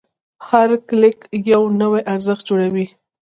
هر کلیک یو نوی ارزښت جوړوي.